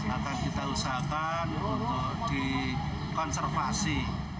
akan kita usahakan untuk dikonservasi